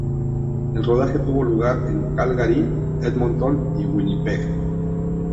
El rodaje tuvo lugar en Calgary, Edmonton y Winnipeg.